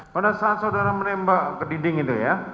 pada saat saudara menembak ke dinding itu ya